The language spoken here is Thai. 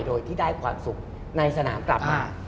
โดยที่ได้ความสุขในสนามกลับมา